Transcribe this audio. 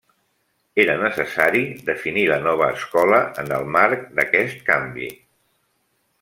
Era necessari definir la nova escola en el marc d'aquest canvi.